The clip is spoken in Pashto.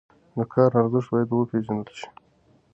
د کار ارزښت باید وپېژندل شي.